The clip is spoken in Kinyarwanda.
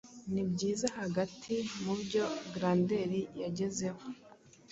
Nibyiza hagati mubyo Grendel yagezeho